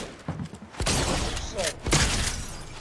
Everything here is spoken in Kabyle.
Fser.